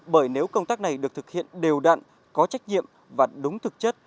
bởi nếu công tác này được thực hiện đều đặn có trách nhiệm và đúng thực chất